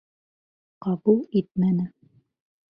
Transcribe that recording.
Ҡабул итмәне.